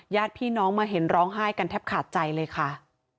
ญาติพี่น้องมาเห็นร้องไห้กันแทบขาดใจเลยค่ะ